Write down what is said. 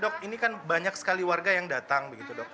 dok ini kan banyak sekali warga yang datang begitu dok